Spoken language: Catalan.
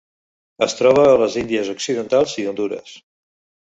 Es troba a les Índies Occidentals i Hondures.